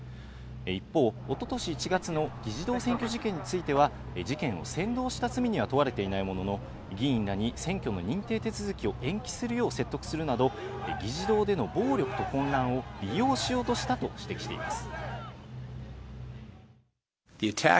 一方、おととし１月の議事堂占拠事件については、事件を先導した罪には問われていないものの、議員らに選挙の認定手続きを延期するよう説得するなど、議事堂での暴力と混乱を利用しようとしたと指摘しています。